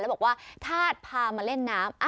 แล้วบอกว่าถ้าพามาเล่นน้ำ